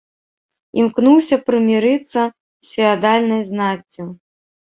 Імкнуўся прымірыцца з феадальнай знаццю.